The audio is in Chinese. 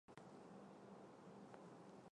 新裂瓜为葫芦科裂瓜属下的一个种。